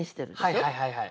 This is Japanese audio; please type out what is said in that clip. はいはいはいはい。